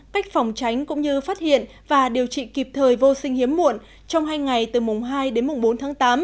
cách phòng tránh cũng như phát hiện và điều trị kịp thời vô sinh hiếm muộn trong hai ngày từ mùng hai đến mùng bốn tháng tám